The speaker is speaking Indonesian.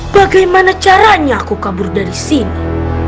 bagaimana caranya aku kabur dari sini